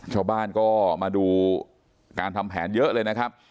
ชาวบ้านก็มาดูการทำแผนเยอะเลยนะครับ